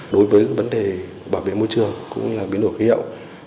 đối với vấn đề bảo vệ môi trường cũng như biến đổi khí hậu